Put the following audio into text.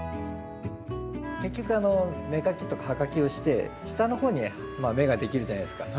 結局芽かきとか葉かきをして下の方に芽ができるじゃないですか。